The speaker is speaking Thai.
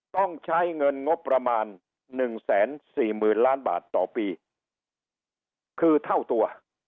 ต้องใช้เงินงบประมาณหนึ่งแสนสี่หมื่นล้านบาทต่อปีคือเท่าตัว